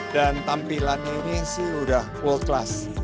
dan tampilannya ini sih udah world class